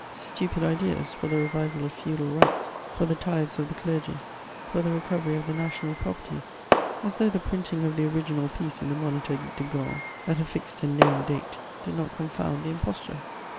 stupid ideas for the revival of feudal rights, for the tithes of the clergy, for the recovery of the national property, as though the printing of the original piece in the Moniteur de Gand at a fixed and known date, did not confound the imposture.